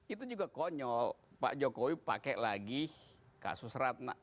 itu juga konyol pak jokowi pakai lagi kasus ratna